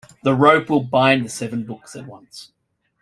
The rope will bind the seven books at once.